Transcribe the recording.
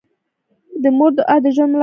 د مور دعا د ژوند ملاتړ ده.